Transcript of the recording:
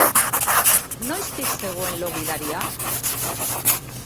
Noiztik zegoen lo gidaria?